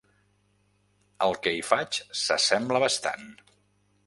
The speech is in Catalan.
El que hi faig s'assembla bastant.